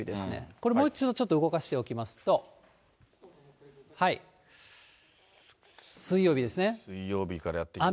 これ、もう一度ちょっと動かしておきますと、水曜日からやって来て。